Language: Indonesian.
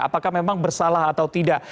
apakah memang bersalah atau tidak